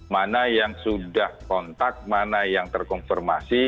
mana yang sudah kontak mana yang terkonfirmasi